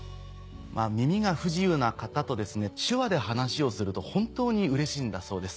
耳が不自由な方と手話で話をすると本当にうれしいんだそうです。